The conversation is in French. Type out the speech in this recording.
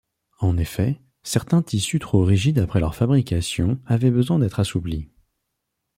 En effet, certains tissus trop rigides après leur fabrication avaient besoin d'être assouplis.